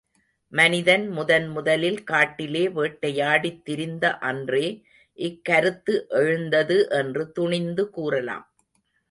மனிதன் முதன் முதலில் காட்டிலே வேட்டையாடித் திரிந்த அன்றே இக்கருத்து எழுந்தது என்று துணிந்து கூறலாம்.